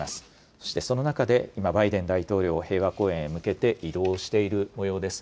そしてその中で今バイデン大統領、平和公園へ向けて移動しているもようです。